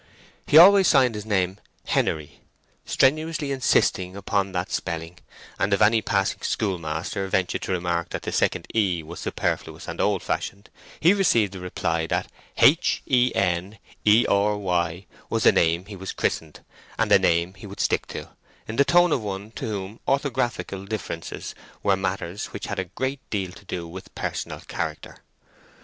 He always signed his name "Henery"—strenuously insisting upon that spelling, and if any passing schoolmaster ventured to remark that the second "e" was superfluous and old fashioned, he received the reply that "H e n e r y" was the name he was christened and the name he would stick to—in the tone of one to whom orthographical differences were matters which had a great deal to do with personal character.